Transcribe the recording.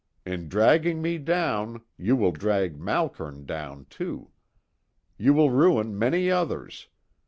In dragging me down you will drag Malkern down, too. You will ruin many others.